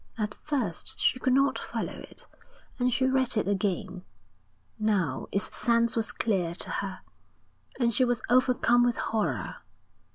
At first she could not follow it, and she read it again; now its sense was clear to her, and she was overcome with horror.